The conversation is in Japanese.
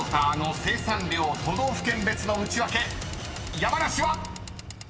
山梨は⁉］